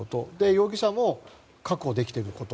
容疑者も確保できていること。